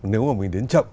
nếu mà mình đến chậm